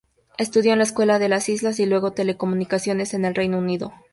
Estudió en la escuela de las islas y luego telecomunicaciones en el Reino Unido.